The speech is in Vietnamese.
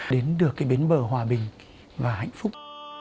đến được cái bến bờ hòa bình và hạnh phúc